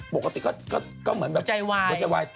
ปกติก็เหมือนแบบ